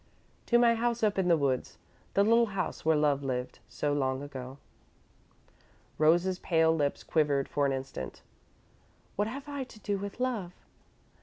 "To my house up in the woods the little house where love lived, so long ago." Rose's pale lips quivered for an instant. "What have I to do with love?"